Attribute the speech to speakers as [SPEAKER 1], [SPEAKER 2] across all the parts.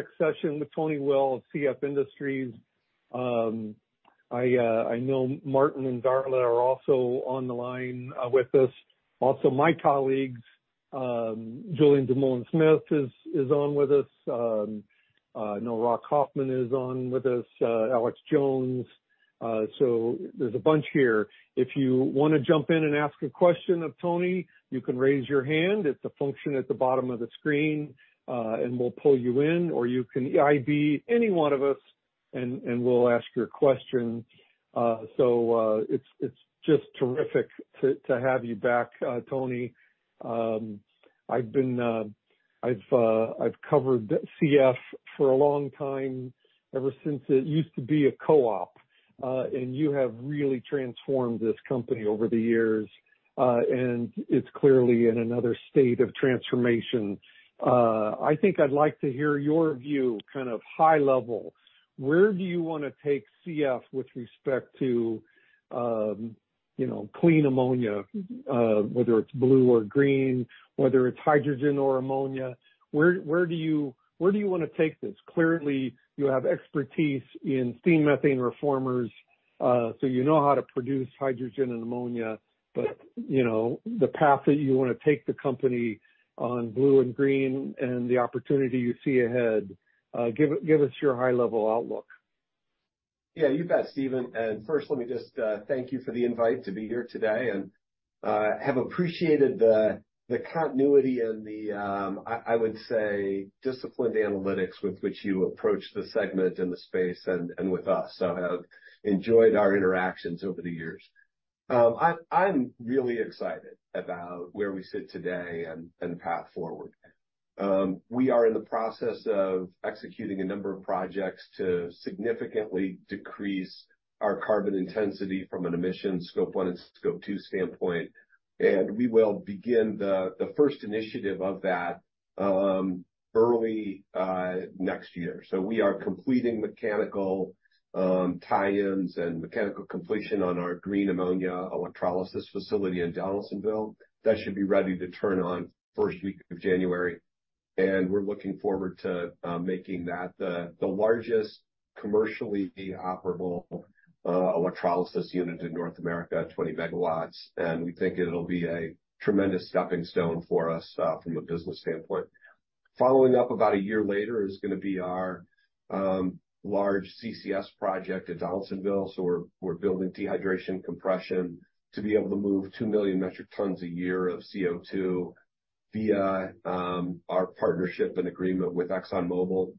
[SPEAKER 1] Next session with Tony Will of CF Industries. I know Martin and Darla are also on the line with us. Also, my colleagues, Julian Dumoulin-Smith is on with us. I know Rock Hoffman is on with us, Alex Jones. So there's a bunch here. If you wanna jump in and ask a question of Tony, you can raise your hand. It's a function at the bottom of the screen, and we'll pull you in, or you can IB any one of us and we'll ask your question. So it's just terrific to have you back, Tony. I've covered CF for a long time, ever since it used to be a co-op, and you have really transformed this company over the years. And it's clearly in another state of transformation. I think I'd like to hear your view, kind of high-level, where do you wanna take CF with respect to, you know, clean ammonia, whether it's blue or green, whether it's hydrogen or ammonia, where do you wanna take this? Clearly, you have expertise in steam methane reformers, so you know how to produce hydrogen and ammonia, but, you know, the path that you wanna take the company on blue and green and the opportunity you see ahead, give us your high-level outlook.
[SPEAKER 2] Yeah, you bet, Steven. First, let me just thank you for the invite to be here today, and have appreciated the continuity and the, I would say, disciplined analytics with which you approach the segment and the space and with us. I have enjoyed our interactions over the years. I'm really excited about where we sit today and the path forward. We are in the process of executing a number of projects to significantly decrease our carbon intensity from an emission Scope 1 and Scope 2 standpoint, and we will begin the first initiative of that early next year. So we are completing mechanical tie-ins and mechanical completion on our green ammonia electrolysis facility in Donaldsonville. That should be ready to turn on first week of January, and we're looking forward to making that the largest commercially operable electrolysis unit in North America at 20 MW, and we think it'll be a tremendous stepping stone for us from a business standpoint. Following up about a year later is gonna be our large CCS project at Donaldsonville. So we're building dehydration compression to be able to move 2 million metric tons a year of CO2 via our partnership and agreement with ExxonMobil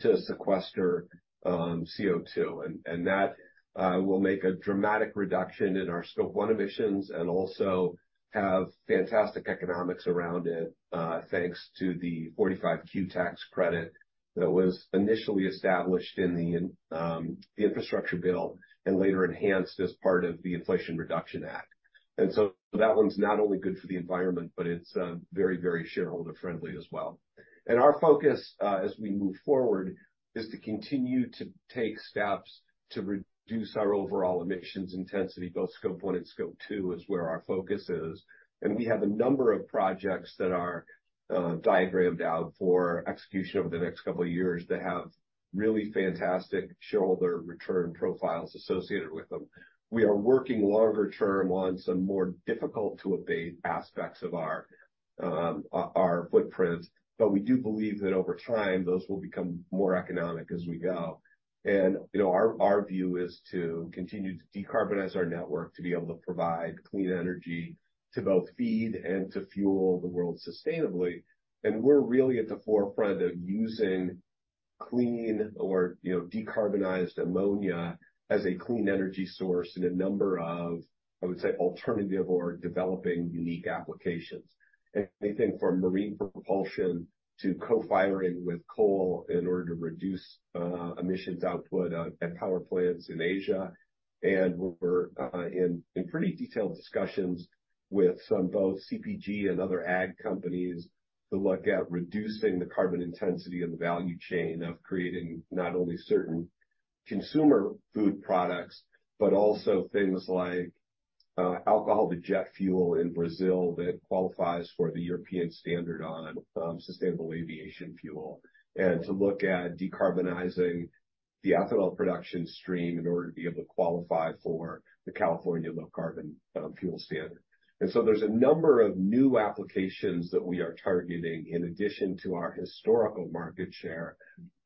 [SPEAKER 2] to sequester CO2. And that will make a dramatic reduction in our Scope 1 emissions, and also have fantastic economics around it thanks to the 45Q tax credit that was initially established in the infrastructure bill and later enhanced as part of the Inflation Reduction Act. So that one's not only good for the environment, but it's very, very shareholder friendly as well. Our focus as we move forward is to continue to take steps to reduce our overall emissions intensity. Both Scope 1 and Scope 2 is where our focus is, and we have a number of projects that are diagrammed out for execution over the next couple of years that have really fantastic shareholder return profiles associated with them. We are working longer term on some more difficult to abate aspects of our our footprint, but we do believe that over time, those will become more economic as we go. You know, our view is to continue to decarbonize our network, to be able to provide clean energy, to both feed and to fuel the world sustainably. We're really at the forefront of using clean or, you know, decarbonized ammonia as a clean energy source in a number of, I would say, alternative or developing unique applications. Anything from marine propulsion to co-firing with coal in order to reduce emissions output at power plants in Asia. And we're in pretty detailed discussions with some, both CPG and other ag companies, to look at reducing the carbon intensity and the value chain of creating not only certain consumer food products, but also things like alcohol-to-jet fuel in Brazil that qualifies for the European standard on sustainable aviation fuel. And to look at decarbonizing the ethanol production stream in order to be able to qualify for the California Low Carbon Fuel Standard. And so there's a number of new applications that we are targeting in addition to our historical market share.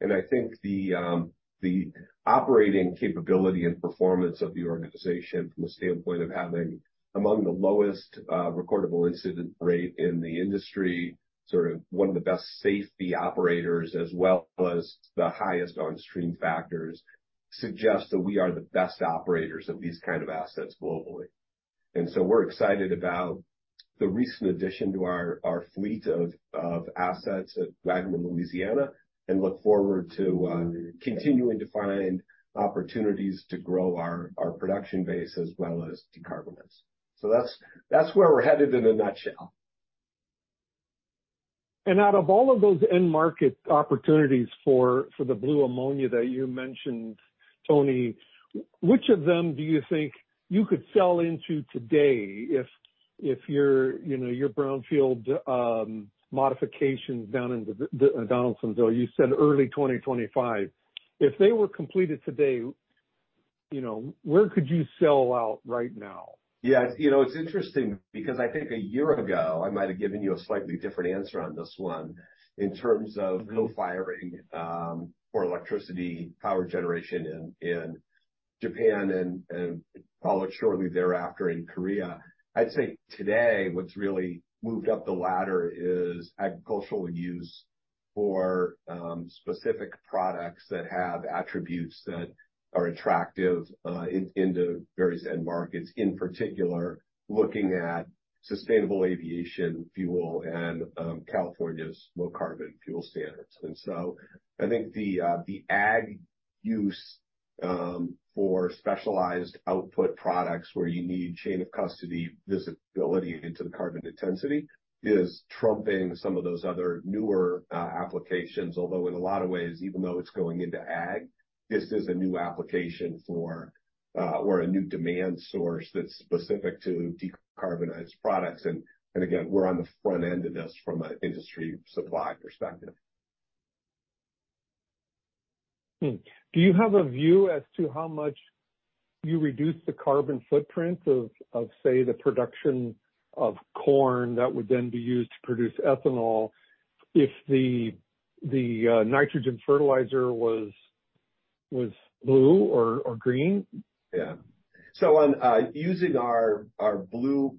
[SPEAKER 2] I think the operating capability and performance of the organization, from the standpoint of having among the lowest recordable incident rate in the industry, sort of one of the best safety operators, as well as the highest on-stream factors, suggests that we are the best operators of these kind of assets globally. We're excited about the recent addition to our fleet of assets at Waggaman, Louisiana, and look forward to continuing to find opportunities to grow our production base as well as decarbonize. That's where we're headed in a nutshell.
[SPEAKER 1] Out of all of those end market opportunities for the Blue ammonia that you mentioned, Tony, which of them do you think you could sell into today if your, you know, your brownfield modifications down in the Donaldsonville, you said early 2025. If they were completed today, you know, where could you sell out right now?
[SPEAKER 2] Yes. You know, it's interesting because I think a year ago, I might have given you a slightly different answer on this one. In terms of co-firing for electricity power generation in Japan and followed shortly thereafter in Korea. I'd say today, what's really moved up the ladder is agricultural use for specific products that have attributes that are attractive into various end markets, in particular, looking at sustainable aviation fuel and California's Low Carbon Fuel Standard. And so I think the ag use for specialized output products where you need chain of custody visibility into the carbon intensity is trumping some of those other newer applications. Although in a lot of ways, even though it's going into ag, this is a new application for or a new demand source that's specific to decarbonized products. And again, we're on the front end of this from an industry supply perspective.
[SPEAKER 1] Hmm. Do you have a view as to how much you reduce the carbon footprint of, say, the production of corn that would then be used to produce ethanol if the nitrogen fertilizer was blue or green?
[SPEAKER 2] Yeah. So on using our blue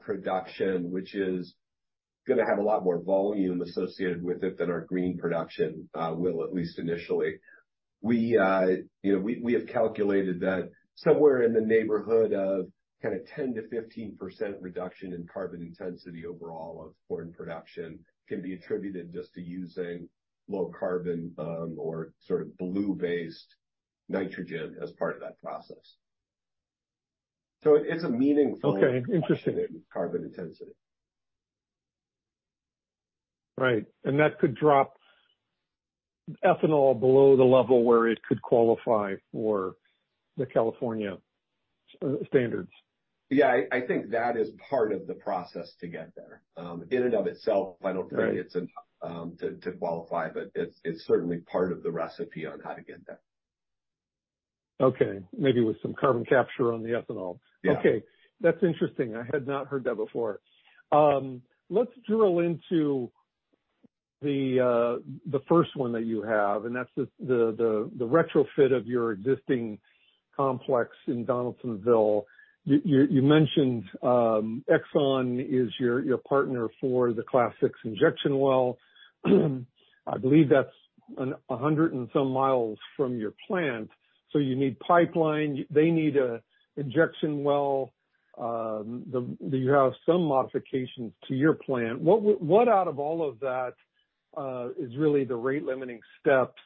[SPEAKER 2] production, which is gonna have a lot more volume associated with it than our green production, will, at least initially, you know, we have calculated that somewhere in the neighborhood of kind of 10%-15% reduction in carbon intensity overall of corn production can be attributed just to using low carbon, or sort of blue-based nitrogen as part of that process. So it's a meaningful-
[SPEAKER 1] Okay, interesting.
[SPEAKER 2] Carbon intensity.
[SPEAKER 1] Right. And that could drop ethanol below the level where it could qualify for the California standards.
[SPEAKER 2] Yeah, I think that is part of the process to get there. In and of itself, I don't think it's enough to qualify, but it's certainly part of the recipe on how to get there.
[SPEAKER 1] Okay. Maybe with some carbon capture on the ethanol. Okay. That's interesting. I had not heard that before. Let's drill into the first one that you have, and that's the retrofit of your existing complex in Donaldsonville. You mentioned Exxon is your partner for the Class VI injection well. I believe that's 100 and some miles from your plant, so you need pipeline, they need an injection well, you have some modifications to your plant. What out of all of that is really the rate-limiting steps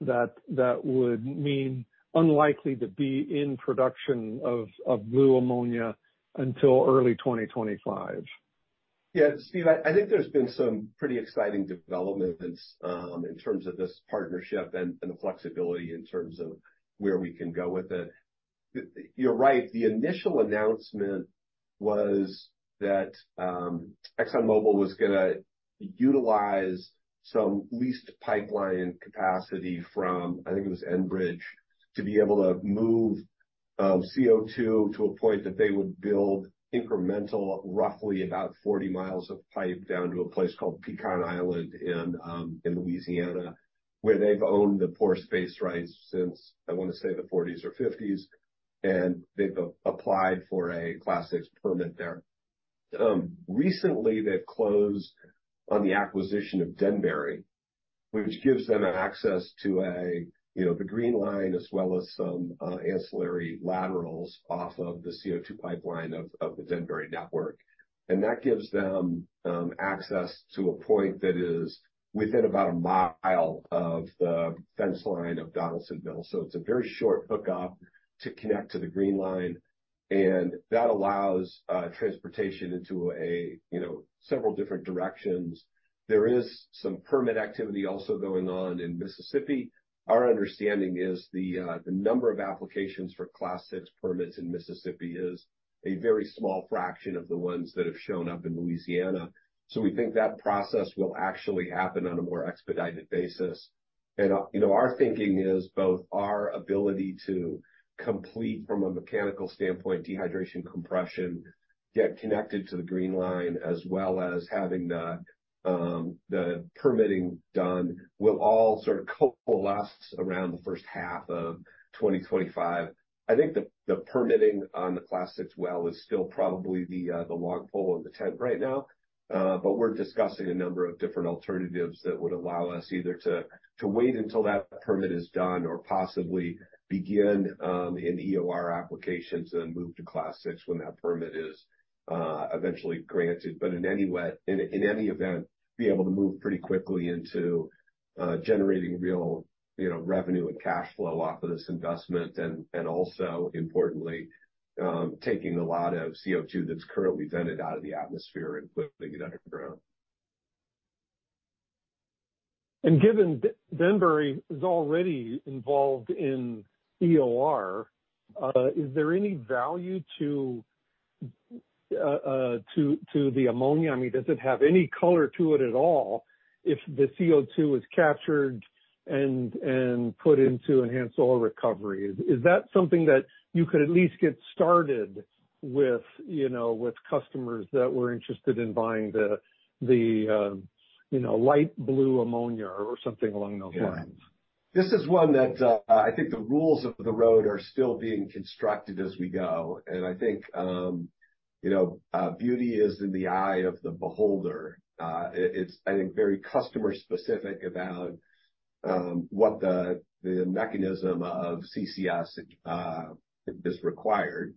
[SPEAKER 1] that would mean unlikely to be in production of blue ammonia until early 2025?
[SPEAKER 2] Yeah, Steve, I think there's been some pretty exciting developments in terms of this partnership and the flexibility in terms of where we can go with it. You're right, the initial announcement was that ExxonMobil was gonna utilize some leased pipeline capacity from, I think it was Enbridge, to be able to move CO2 to a point that they would build incremental, roughly about 40 miles of pipe down to a place called Pecan Island in Louisiana, where they've owned the pore space rights since, I wanna say, the 40s or 50s, and they've applied for a Class VI permit there. Recently, they've closed on the acquisition of Denbury, which gives them access to, you know, the Green Line as well as some ancillary laterals off of the CO2 pipeline of the Denbury network. That gives them access to a point that is within about a mile of the fence line of Donaldsonville. So it's a very short hookup to connect to the Green Line, and that allows transportation into, you know, several different directions. There is some permit activity also going on in Mississippi. Our understanding is the number of applications for Class VI permits in Mississippi is a very small fraction of the ones that have shown up in Louisiana. So we think that process will actually happen on a more expedited basis. And, you know, our thinking is both our ability to complete from a mechanical standpoint, dehydration, compression, get connected to the Green Line, as well as having the permitting done, will all sort of coalesce around the first half of 2025. I think the permitting on the Class VI well is still probably the long pole in the tent right now. But we're discussing a number of different alternatives that would allow us either to wait until that permit is done or possibly begin an EOR applications and then move to Class VI when that permit is eventually granted. But in any way, in any event, be able to move pretty quickly into generating real, you know, revenue and cash flow off of this investment, and also importantly, taking a lot of CO2 that's currently vented out of the atmosphere and putting it underground....
[SPEAKER 1] And given Denbury is already involved in EOR, is there any value to the ammonia? I mean, does it have any color to it at all, if the CO2 is captured and put into enhanced oil recovery? Is that something that you could at least get started with, you know, with customers that were interested in buying the, you know, light blue ammonia or something along those lines?
[SPEAKER 2] Yeah. This is one that, I think the rules of the road are still being constructed as we go. And I think, you know, beauty is in the eye of the beholder. It's, I think, very customer specific about, what the mechanism of CCS is required.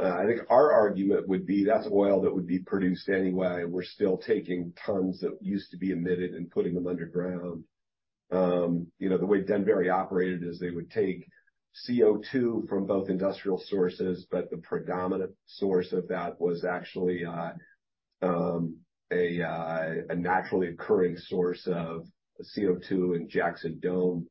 [SPEAKER 2] I think our argument would be, that's oil that would be produced anyway, and we're still taking tons that used to be emitted and putting them underground. You know, the way Denbury operated is they would take CO2 from both industrial sources, but the predominant source of that was actually, a naturally occurring source of CO2 in Jackson Dome,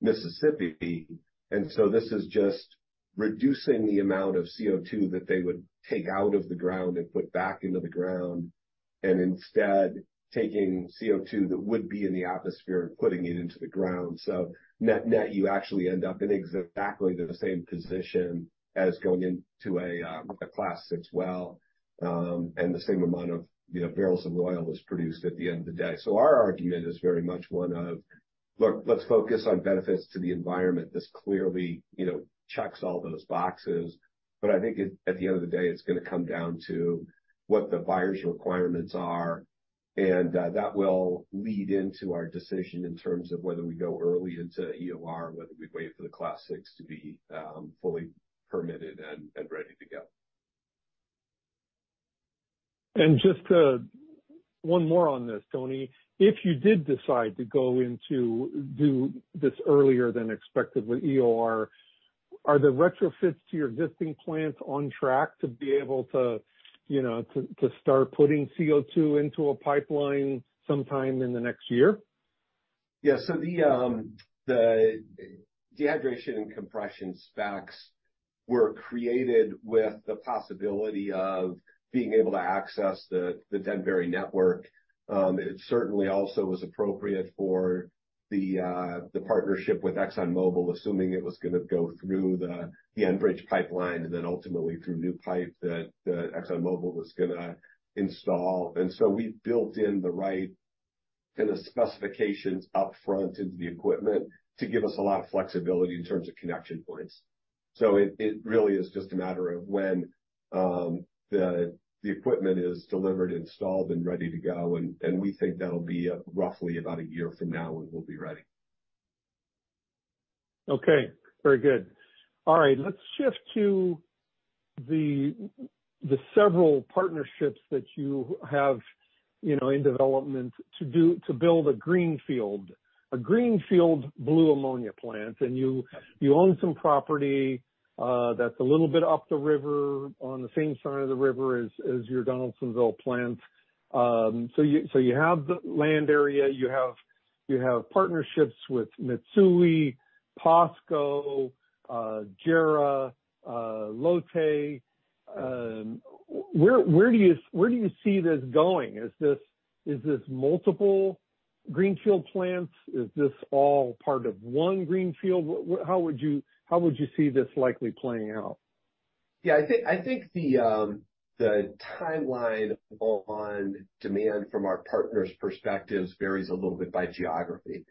[SPEAKER 2] Mississippi. And so this is just reducing the amount of CO2 that they would take out of the ground and put back into the ground, and instead taking CO2 that would be in the atmosphere and putting it into the ground. So net, net, you actually end up in exactly the same position as going into a Class VI well, and the same amount of, you know, barrels of oil is produced at the end of the day. So our argument is very much one of, look, let's focus on benefits to the environment. This clearly, you know, checks all those boxes. But I think at the end of the day, it's gonna come down to what the buyer's requirements are, and that will lead into our decision in terms of whether we go early into EOR, or whether we wait for the Class VI to be fully permitted and ready to go.
[SPEAKER 1] Just one more on this, Tony. If you did decide to go in to do this earlier than expected with EOR, are the retrofits to your existing plants on track to be able to, you know, to start putting CO2 into a pipeline sometime in the next year?
[SPEAKER 2] Yeah. So the dehydration and compression specs were created with the possibility of being able to access the Denbury network. It certainly also was appropriate for the partnership with ExxonMobil, assuming it was gonna go through the Enbridge pipeline, and then ultimately through new pipe that ExxonMobil was gonna install. And so we built in the right kind of specifications upfront into the equipment to give us a lot of flexibility in terms of connection points. So it really is just a matter of when the equipment is delivered, installed, and ready to go, and we think that'll be roughly about a year from now, and we'll be ready.
[SPEAKER 1] Okay. Very good. All right. Let's shift to the several partnerships that you have, you know, in development to build a greenfield blue ammonia plant. And you own some property that's a little bit up the river, on the same side of the river as your Donaldsonville plant. So you have the land area, you have partnerships with Mitsui, POSCO, JERA, Lotte. Where do you see this going? Is this multiple greenfield plants? Is this all part of one greenfield? How would you see this likely playing out?
[SPEAKER 2] Yeah, I think the timeline on demand from our partners' perspectives varies a little bit by geography.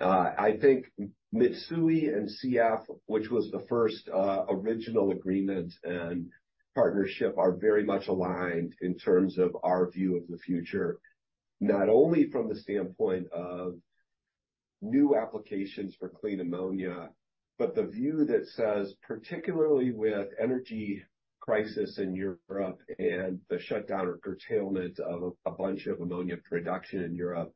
[SPEAKER 2] I think Mitsui and CF, which was the first original agreement and partnership, are very much aligned in terms of our view of the future, not only from the standpoint of new applications for clean ammonia, but the view that says, particularly with energy crisis in Europe and the shutdown or curtailment of a bunch of ammonia production in Europe,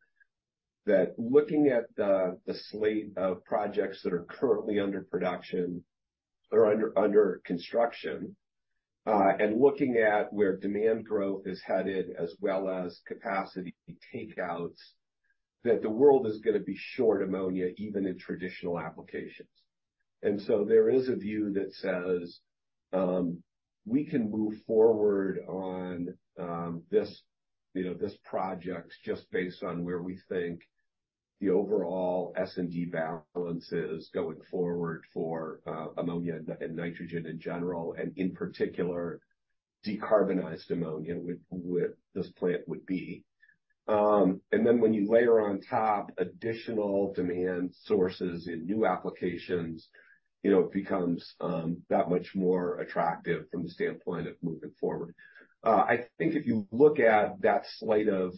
[SPEAKER 2] that looking at the slate of projects that are currently under production or under construction, and looking at where demand growth is headed, as well as capacity takeouts, that the world is gonna be short ammonia, even in traditional applications. And so there is a view that says, we can move forward on, this, you know, this project, just based on where we think the overall S&D balance is going forward for, ammonia and, and nitrogen in general, and in particular, decarbonized ammonia, with, with-- this plant would be. And then when you layer on top additional demand sources and new applications, you know, it becomes, that much more attractive from the standpoint of moving forward. I think if you look at that slate of,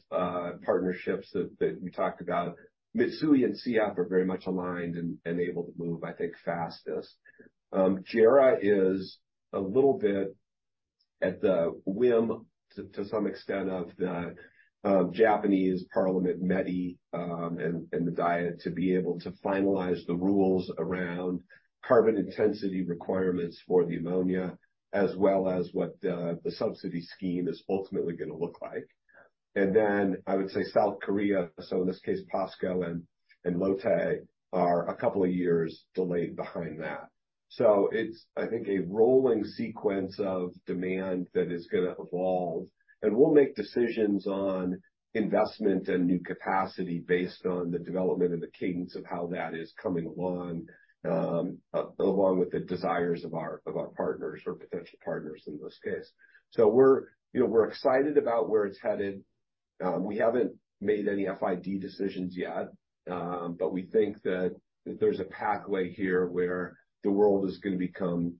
[SPEAKER 2] partnerships that, that we talked about, Mitsui and CF are very much aligned and, and able to move, I think, fastest. JERA is a little bit at the whim, to some extent, of the Japanese Parliament, METI, and the Diet to be able to finalize the rules around carbon intensity requirements for the ammonia, as well as what the subsidy scheme is ultimately gonna look like. And then I would say South Korea, so in this case, POSCO and Lotte are a couple of years delayed behind that. So it's, I think, a rolling sequence of demand that is gonna evolve, and we'll make decisions on investment and new capacity based on the development and the cadence of how that is coming along, along with the desires of our partners or potential partners in this case. So we're, you know, we're excited about where it's headed. We haven't made any FID decisions yet, but we think that there's a pathway here where the world is gonna become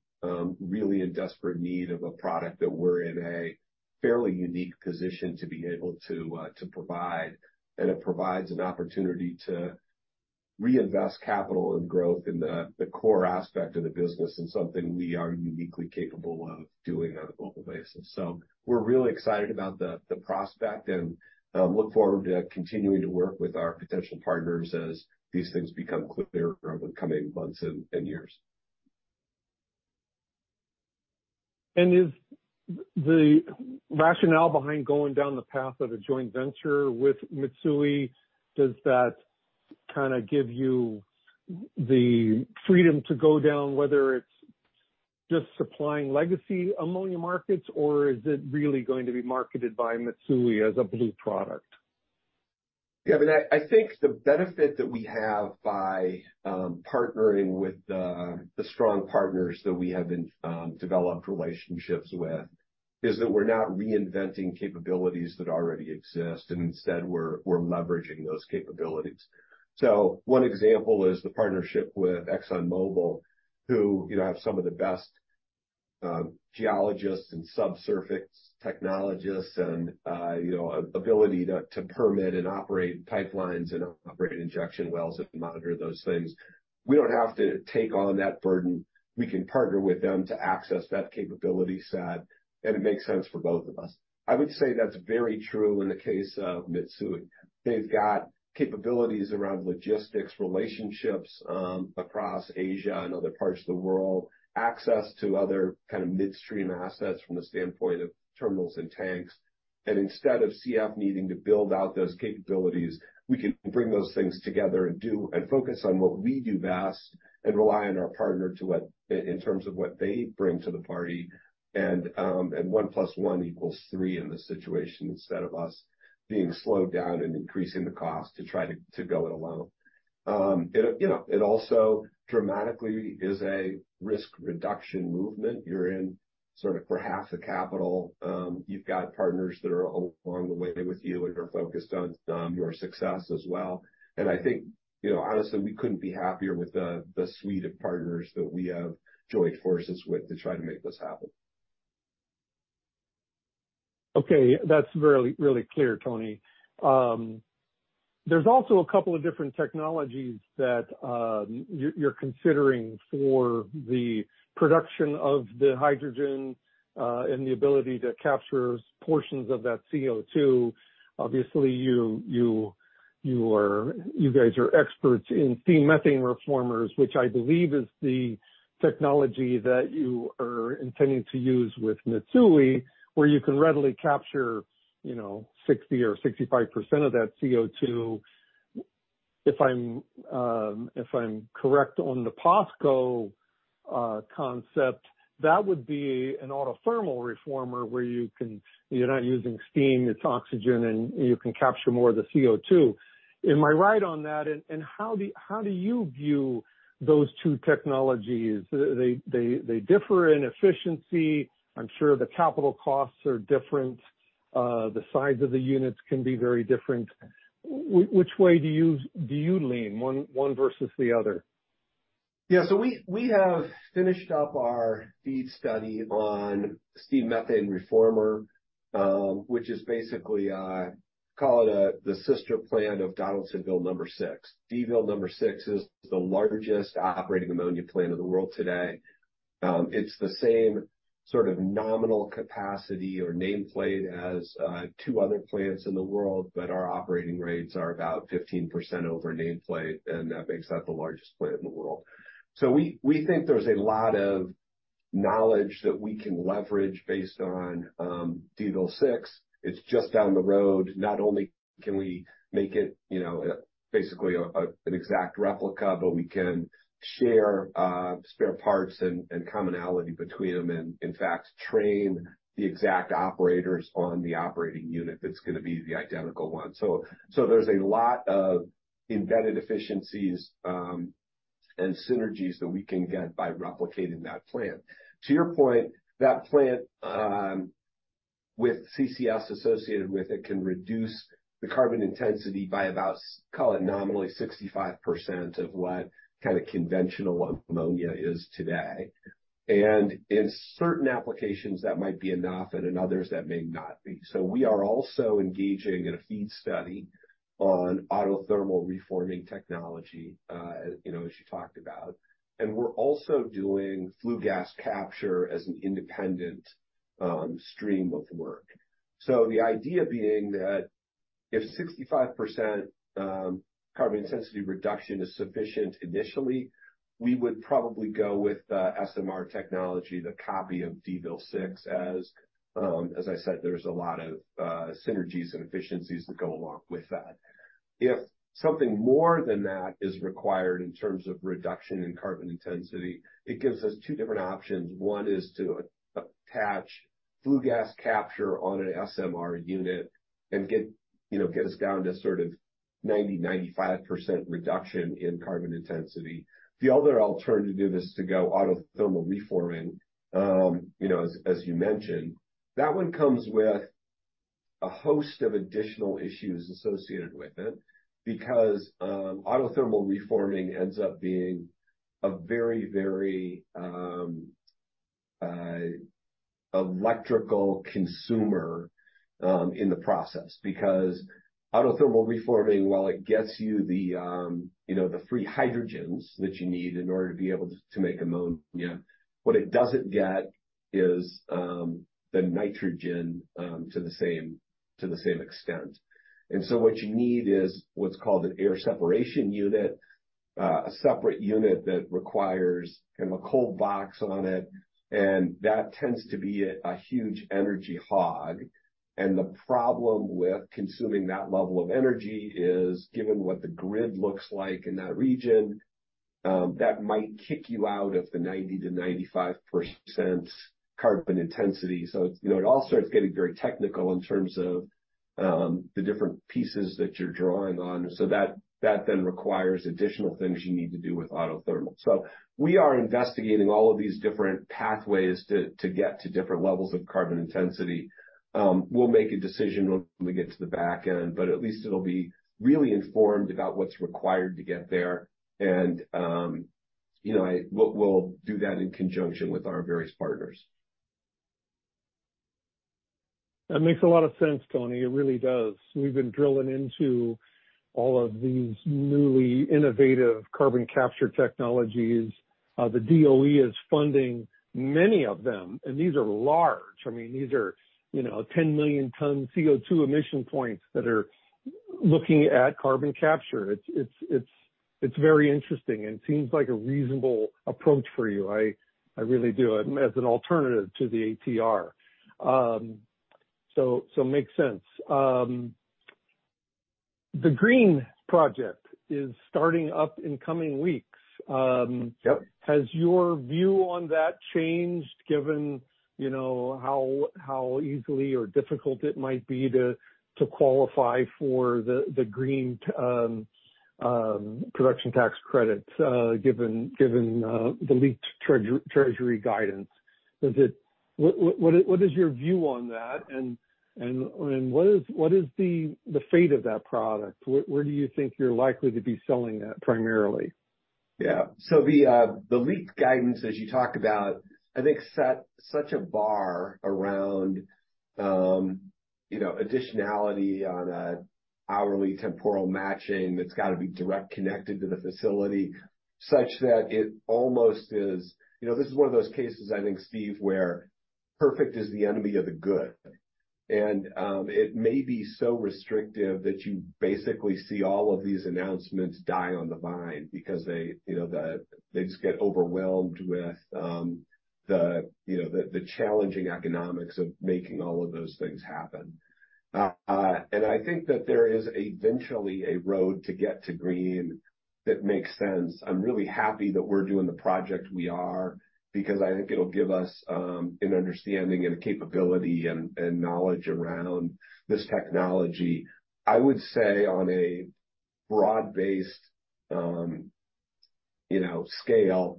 [SPEAKER 2] really in desperate need of a product that we're in a fairly unique position to be able to to provide. And it provides an opportunity to reinvest capital and growth in the the core aspect of the business and something we are uniquely capable of doing on a global basis. So we're really excited about the the prospect and look forward to continuing to work with our potential partners as these things become clearer over the coming months and and years.
[SPEAKER 1] Is the rationale behind going down the path of a joint venture with Mitsui, does that kind of give you the freedom to go down, whether it's just supplying legacy ammonia markets, or is it really going to be marketed by Mitsui as a blue product?
[SPEAKER 2] Yeah, but I think the benefit that we have by partnering with the strong partners that we have been developed relationships with, is that we're not reinventing capabilities that already exist, and instead we're leveraging those capabilities. So one example is the partnership with ExxonMobil, who you know have some of the best geologists and subsurface technologists and you know ability to permit and operate pipelines and operate injection wells and monitor those things. We don't have to take on that burden. We can partner with them to access that capability set, and it makes sense for both of us. I would say that's very true in the case of Mitsui. They've got capabilities around logistics, relationships across Asia and other parts of the world, access to other kind of midstream assets from the standpoint of terminals and tanks. Instead of CF needing to build out those capabilities, we can bring those things together and do and focus on what we do best and rely on our partner to what, in terms of what they bring to the party. And, and one plus one equals three in this situation, instead of us being slowed down and increasing the cost to try to, to go it alone. It, you know, it also dramatically is a risk reduction movement. You're in sort of for half the capital, you've got partners that are along the way with you and are focused on, your success as well. And I think, you know, honestly, we couldn't be happier with the, the suite of partners that we have joined forces with to try to make this happen.
[SPEAKER 1] Okay. That's really, really clear, Tony. There's also a couple of different technologies that you're considering for the production of the hydrogen and the ability to capture portions of that CO2. Obviously, you guys are experts in steam methane reformers, which I believe is the technology that you are intending to use with Mitsui, where you can readily capture, you know, 60 or 65% of that CO2. If I'm correct on the POSCO concept, that would be an autothermal reformer, where you can, you're not using steam, it's oxygen, and you can capture more of the CO2. Am I right on that? And how do you view those two technologies? They differ in efficiency. I'm sure the capital costs are different. The size of the units can be very different. Which way do you lean, one versus the other?
[SPEAKER 2] Yeah. So we have finished up our FEED study on steam methane reformer, which is basically call it the sister plant of Donaldsonville number six. Dville number six is the largest operating ammonia plant in the world today. It's the same sort of nominal capacity or nameplate as two other plants in the world, but our operating rates are about 15% over nameplate, and that makes that the largest plant in the world. So we think there's a lot of knowledge that we can leverage based on Dville six. It's just down the road. Not only can we make it, you know, basically an exact replica, but we can share spare parts and commonality between them, and in fact, train the exact operators on the operating unit that's gonna be the identical one. So, there's a lot of embedded efficiencies and synergies that we can get by replicating that plant. To your point, that plant with CCS associated with it can reduce the carbon intensity by about, call it nominally 65% of what kind of conventional ammonia is today. And in certain applications, that may not be. So we are also engaging in a FEED study on autothermal reforming technology, you know, as you talked about. And we're also doing flue gas capture as an independent stream of work. So the idea being that. If 65% carbon intensity reduction is sufficient initially, we would probably go with the SMR technology, the copy of Donaldsonville Complex, as, as I said, there's a lot of synergies and efficiencies that go along with that. If something more than that is required in terms of reduction in carbon intensity, it gives us two different options. One is to attach flue gas capture on an SMR unit and get, you know, get us down to sort of 90%-95% reduction in carbon intensity. The other alternative is to go autothermal reforming. You know, as you mentioned, that one comes with a host of additional issues associated with it because autothermal reforming ends up being a very, very electrical consumer in the process. Because autothermal reforming, while it gets you the, you know, the free hydrogens that you need in order to be able to, to make ammonia, what it doesn't get is the nitrogen to the same extent. And so what you need is what's called an air separation unit. A separate unit that requires kind of a cold box on it, and that tends to be a huge energy hog. And the problem with consuming that level of energy is, given what the grid looks like in that region, that might kick you out of the 90%-95% carbon intensity. So, you know, it all starts getting very technical in terms of the different pieces that you're drawing on. So that then requires additional things you need to do with autothermal. So we are investigating all of these different pathways to get to different levels of carbon intensity. We'll make a decision when we get to the back end, but at least it'll be really informed about what's required to get there. And, you know, we'll do that in conjunction with our various partners.
[SPEAKER 1] That makes a lot of sense, Tony. It really does. We've been drilling into all of these newly innovative carbon capture technologies. The DOE is funding many of them, and these are large. I mean, these are, you know, 10 million ton CO2 emission points that are looking at carbon capture. It's very interesting and seems like a reasonable approach for you. I really do as an alternative to the ATR. So makes sense. The green project is starting up in coming weeks. Has your view on that changed, given you know how easily or difficult it might be to qualify for the green production tax credits, given the leaked Treasury guidance? What is your view on that? And what is the fate of that product? Where do you think you're likely to be selling that primarily?
[SPEAKER 2] Yeah. So the leaked guidance, as you talked about, I think, set such a bar around, you know, additionality on an hourly temporal matching that's got to be direct connected to the facility, such that it almost is... You know, this is one of those cases, I think, Steve, where perfect is the enemy of the good. And it may be so restrictive that you basically see all of these announcements die on the vine because they, you know, they just get overwhelmed with, you know, the challenging economics of making all of those things happen. And I think that there is eventually a road to get to green that makes sense. I'm really happy that we're doing the project we are, because I think it'll give us an understanding and a capability and knowledge around this technology. I would say on a broad-based, you know, scale,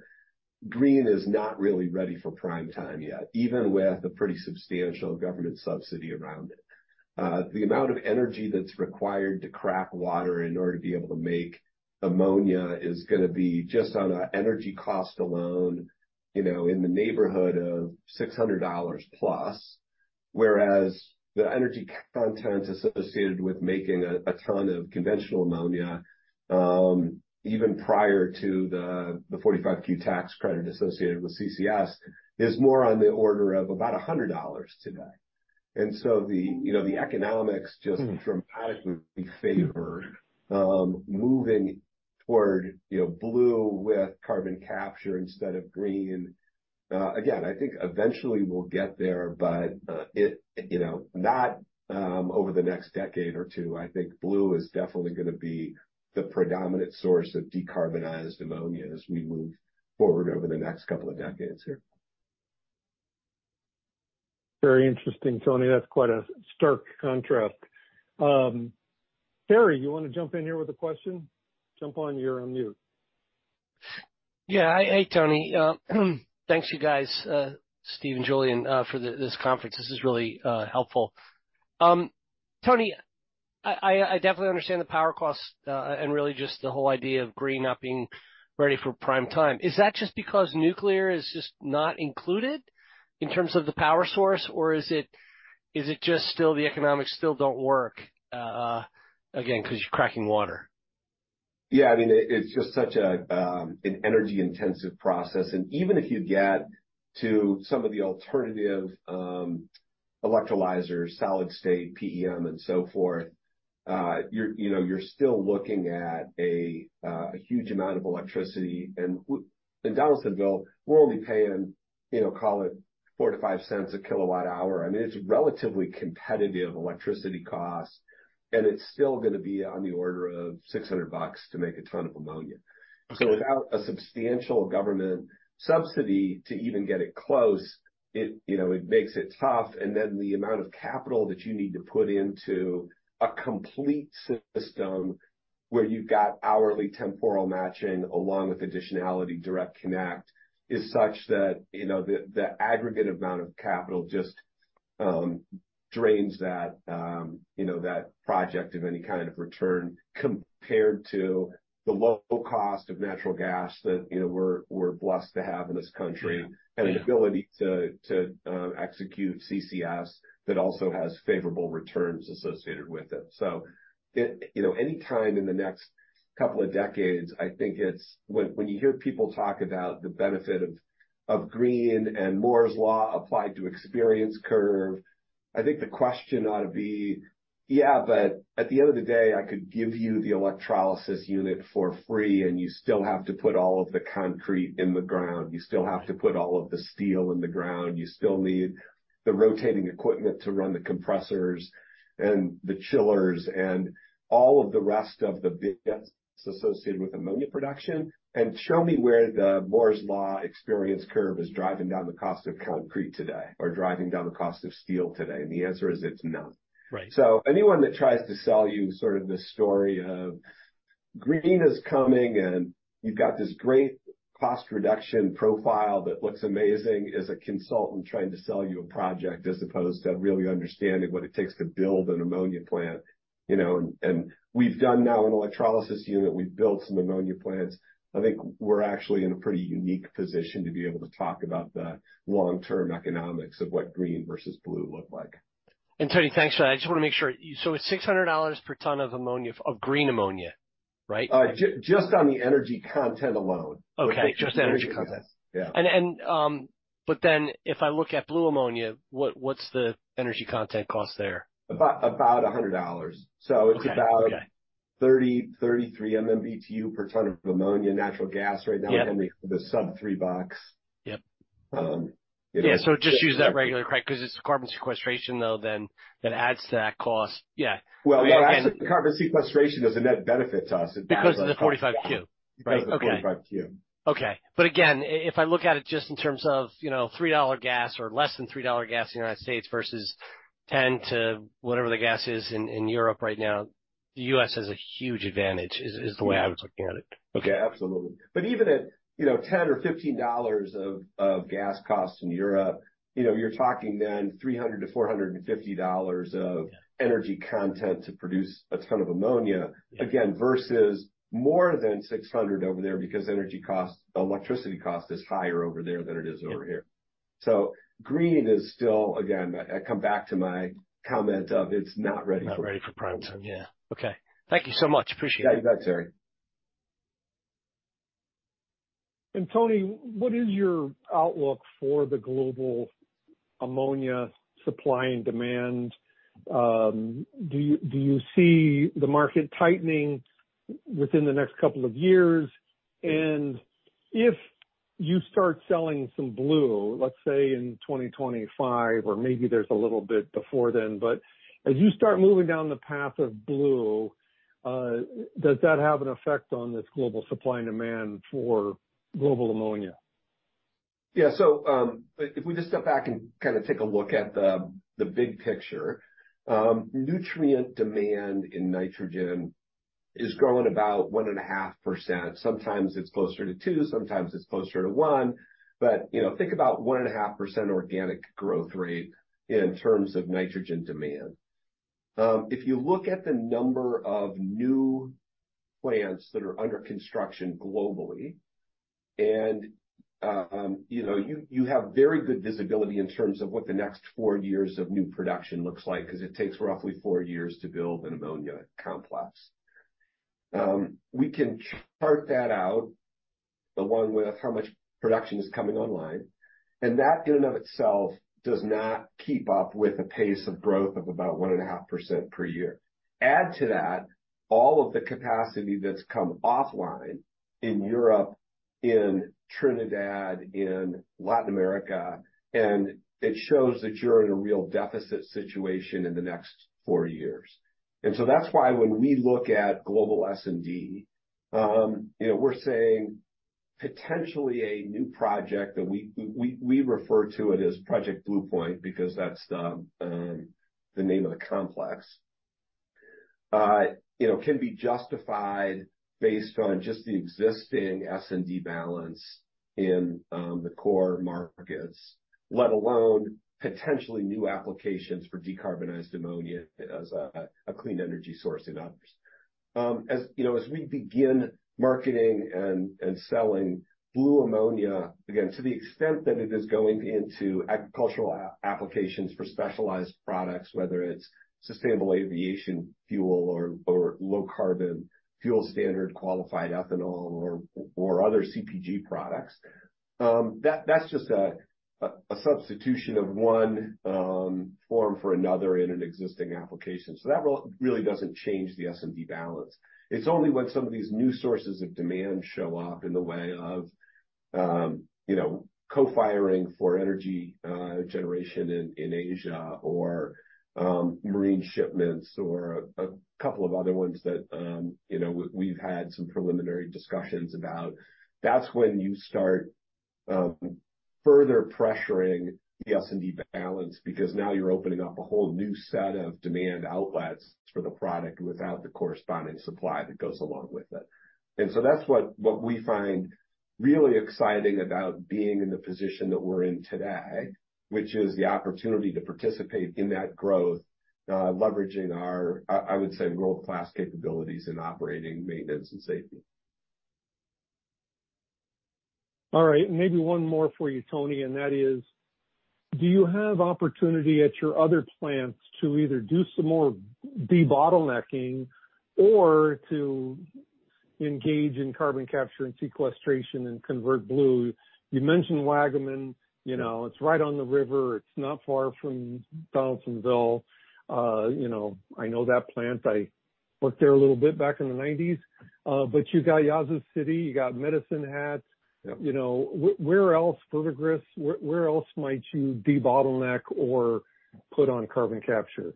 [SPEAKER 2] green is not really ready for prime time yet, even with a pretty substantial government subsidy around it. The amount of energy that's required to crack water in order to be able to make ammonia is gonna be, just on a energy cost alone, you know, in the neighborhood of $600 plus. Whereas the energy content associated with making a, a ton of conventional ammonia, even prior to the, the 45Q tax credit associated with CCS, is more on the order of about $100 today. And so the, you know, the economics just dramatically favor, moving toward, you know, blue with carbon capture instead of green. Again, I think eventually we'll get there, but, it, you know, not, over the next decade or two. I think blue is definitely gonna be the predominant source of decarbonized ammonia as we move forward over the next couple of decades here.
[SPEAKER 1] Very interesting, Tony. That's quite a stark contrast. Terry, you want to jump in here with a question? Jump on, you're on mute.
[SPEAKER 3] Yeah. Hey, Tony, thanks, you guys, Steve and Julian, for this conference. This is really helpful. Tony, I definitely understand the power costs, and really just the whole idea of green not being ready for prime time. Is that just because nuclear is just not included in terms of the power source, or is it just still the economics still don't work, again, because you're cracking water?...
[SPEAKER 2] Yeah, I mean, it's just such an energy-intensive process. And even if you get to some of the alternative electrolyzers, solid state, PEM, and so forth, you're, you know, you're still looking at a huge amount of electricity. And in Donaldsonville, we're only paying, you know, call it $0.04-$0.05/kWh. I mean, it's relatively competitive electricity costs, and it's still gonna be on the order of $600 to make a ton of ammonia. So without a substantial government subsidy to even get it close, it, you know, it makes it tough. The amount of capital that you need to put into a complete system where you've got hourly temporal matching, along with additionality, direct connect, is such that, you know, the aggregate amount of capital just drains that, you know, that project of any kind of return, compared to the low cost of natural gas that, you know, we're blessed to have in this country.
[SPEAKER 3] Yeah.
[SPEAKER 2] An ability to execute CCS that also has favorable returns associated with it. So it—you know, any time in the next couple of decades, I think it's... When you hear people talk about the benefit of green and Moore's law applied to experience curve, I think the question ought to be: Yeah, but at the end of the day, I could give you the electrolysis unit for free, and you still have to put all of the concrete in the ground. You still have to put all of the steel in the ground. You still need the rotating equipment to run the compressors and the chillers and all of the rest of the bits associated with ammonia production. And show me where the Moore's law experience curve is driving down the cost of concrete today or driving down the cost of steel today. The answer is: it's none.
[SPEAKER 3] Right.
[SPEAKER 2] So anyone that tries to sell you sort of this story of green is coming, and you've got this great cost reduction profile that looks amazing as a consultant trying to sell you a project, as opposed to really understanding what it takes to build an ammonia plant, you know. And we've done now an electrolysis unit. We've built some ammonia plants. I think we're actually in a pretty unique position to be able to talk about the long-term economics of what green versus blue look like.
[SPEAKER 3] Tony, thanks for that. I just wanna make sure, so it's $600 per ton of ammonia, of green ammonia, right?
[SPEAKER 2] Just on the energy content alone.
[SPEAKER 3] Okay. Just energy content. But then, if I look at Blue ammonia, what, what's the energy content cost there?
[SPEAKER 2] About $100.
[SPEAKER 3] Okay.
[SPEAKER 2] It's about 33 MMBtu per ton of ammonia. Natural gas right now-
[SPEAKER 3] Yep.
[SPEAKER 2] is only the sub-$3. You know-
[SPEAKER 3] Yeah, so just use that regular price, 'cause it's the carbon sequestration, though, then, that adds to that cost. Yeah.
[SPEAKER 2] Well, the carbon sequestration is a net benefit to us-
[SPEAKER 3] Because of the 45Q.
[SPEAKER 2] Right, the 45Q.
[SPEAKER 3] Okay. But again, if I look at it just in terms of, you know, $3 gas or less than $3 gas in the United States versus 10 to whatever the gas is in Europe right now, the U.S. has a huge advantage, is, is the way I would look at it.
[SPEAKER 2] Okay, absolutely. But even at, you know, $10 or $15 of gas costs in Europe, you know, you're talking then $300-$450 of- energy content to produce a ton of ammonia. Again, versus more than 600 over there, because energy costs, electricity cost is higher over there than it is over here. So green is still, again, I come back to my comment of it's not ready for-
[SPEAKER 3] Not ready for prime time. Yeah. Okay. Thank you so much. Appreciate it.
[SPEAKER 2] You bet, Terry.
[SPEAKER 1] Tony, what is your outlook for the global ammonia supply and demand? Do you see the market tightening within the next couple of years? And if you start selling some blue, let's say, in 2025 or maybe there's a little bit before then, but as you start moving down the path of blue, does that have an effect on this global supply and demand for global ammonia?
[SPEAKER 2] Yeah. So, if we just step back and kind of take a look at the big picture, nutrient demand in nitrogen is growing about 1.5%. Sometimes it's closer to 2%, sometimes it's closer to 1%, but, you know, think about 1.5% organic growth rate in terms of nitrogen demand. If you look at the number of new plants that are under construction globally, and you have very good visibility in terms of what the next 4 years of new production looks like, because it takes roughly 4 years to build an ammonia complex. We can chart that out, along with how much production is coming online, and that in and of itself does not keep up with the pace of growth of about 1.5% per year. Add to that, all of the capacity that's come offline in Europe, in Trinidad, in Latin America, and it shows that you're in a real deficit situation in the next four years. And so that's why when we look at global S&D, you know, we're saying potentially a new project that we refer to it as Project Blue Point, because that's the name of the complex, you know, can be justified based on just the existing S&D balance in the core markets, let alone potentially new applications for decarbonized ammonia as a clean energy source in others. As you know, as we begin marketing and selling blue ammonia, again, to the extent that it is going into agricultural applications for specialized products, whether it's sustainable aviation fuel or low carbon fuel standard qualified ethanol or other CPG products, that that's just a substitution of one form for another in an existing application. So that really doesn't change the S&D balance. It's only when some of these new sources of demand show up in the way of, you know, co-firing for energy generation in Asia or marine shipments or a couple of other ones that, you know, we've had some preliminary discussions about. That's when you start further pressuring the S&D balance, because now you're opening up a whole new set of demand outlets for the product without the corresponding supply that goes along with it. And so that's what we find really exciting about being in the position that we're in today, which is the opportunity to participate in that growth, leveraging our, I would say, world-class capabilities in operating, maintenance, and safety.
[SPEAKER 1] All right. Maybe one more for you, Tony, and that is: Do you have opportunity at your other plants to either do some more debottlenecking or to engage in carbon capture and sequestration and convert blue? You mentioned Waggaman, you know, it's right on the river. It's not far from Donaldsonville. You know, I know that plant. I worked there a little bit back in the nineties. But you got Yazoo City, you got Medicine Hat, you know, where else, Billingham, where else might you debottleneck or put on carbon capture?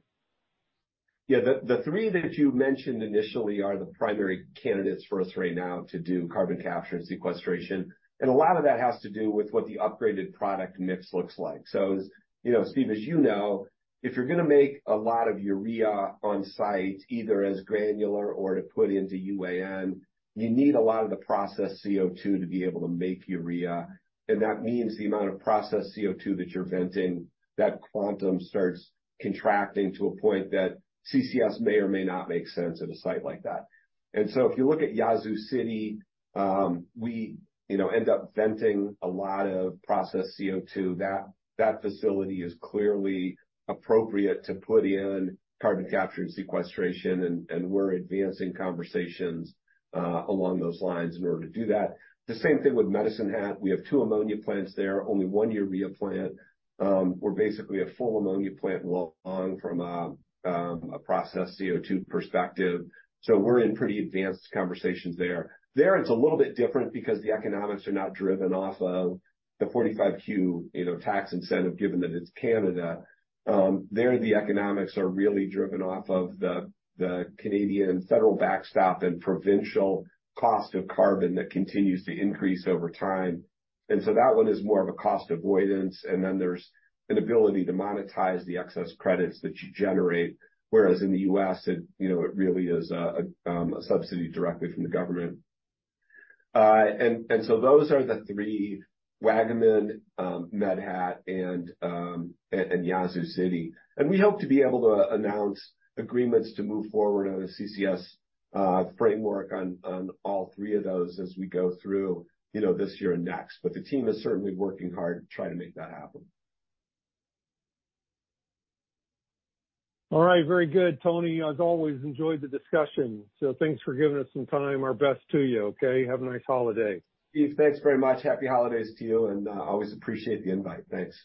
[SPEAKER 2] Yeah, the three that you mentioned initially are the primary candidates for us right now to do carbon capture and sequestration, and a lot of that has to do with what the upgraded product mix looks like. So, as you know, Steve, as you know, if you're gonna make a lot of urea on site, either as granular or to put into UAN, you need a lot of the processed CO2 to be able to make urea, and that means the amount of processed CO2 that you're venting, that quantum starts contracting to a point that CCS may or may not make sense at a site like that. And so if you look at Yazoo City, we, you know, end up venting a lot of processed CO2. That facility is clearly appropriate to put in carbon capture and sequestration, and we're advancing conversations along those lines in order to do that. The same thing with Medicine Hat. We have two ammonia plants there, only one urea plant. We're basically a full ammonia plant along from a processed CO2 perspective, so we're in pretty advanced conversations there. There, it's a little bit different because the economics are not driven off of the 45Q, you know, tax incentive, given that it's Canada. There, the economics are really driven off of the Canadian federal backstop and provincial cost of carbon that continues to increase over time. And so that one is more of a cost avoidance, and then there's an ability to monetize the excess credits that you generate, whereas in the U.S., you know, it really is a subsidy directly from the government. So those are the three, Waggaman, Medicine Hat and Yazoo City. And we hope to be able to announce agreements to move forward on a CCS framework on all three of those as we go through, you know, this year and next. But the team is certainly working hard to try to make that happen.
[SPEAKER 1] All right. Very good, Tony. As always, enjoyed the discussion, so thanks for giving us some time. Our best to you, okay? Have a nice holiday.
[SPEAKER 2] Steve, thanks very much. Happy holidays to you, and always appreciate the invite. Thanks.